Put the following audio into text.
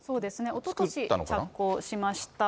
おととし着工しました。